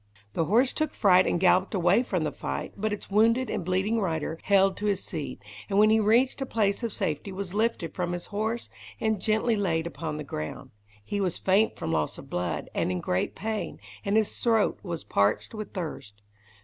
The horse took fright and galloped away from the fight, but its wounded and bleeding rider held to his seat, and when he reached a place of safety was lifted from his horse, and gently laid upon the ground. He was faint from loss of blood, and in great pain, and his throat was parched with thirst.